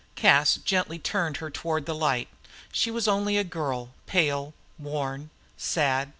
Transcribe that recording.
Cas gently turned her toward the light. She was only a girl, pale, worn, sad.